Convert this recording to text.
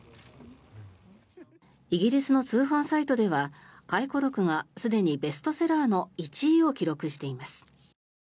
イギリスの通販サイトでは回顧録がすでにベストセラーの１位を記録しています。